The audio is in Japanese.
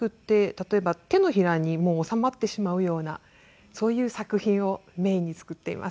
例えば手のひらにもう収まってしまうようなそういう作品をメインに作っています。